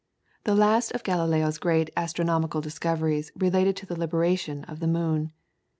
The last of Galileo's great astronomical discoveries related to the libration of the moon.